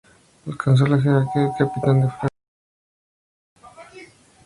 Alcanzó la jerarquía de Capitán de Fragata.